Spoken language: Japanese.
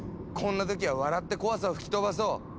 こんな時は笑って怖さを吹き飛ばそう！